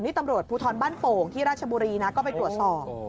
นี่ตำรวจภูทรบ้านโป่งที่ราชบุรีนะก็ไปตรวจสอบ